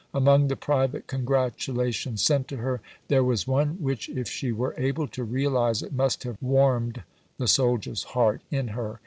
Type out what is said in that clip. Among the private congratulations sent to her, there was one which if she were able to realize it, must have warmed the soldier's heart in her.